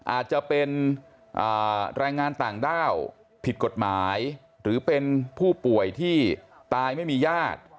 อาจจะเป็นแรงงานต่างด้าวผิดกฎหมายหรือเป็นผู้ป่วยที่ตายไม่มีญาติ